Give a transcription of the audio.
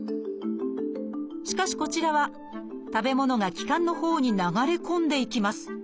しかしこちらは食べ物が気管のほうに流れ込んでいきます。